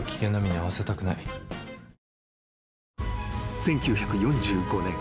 ［１９４５年。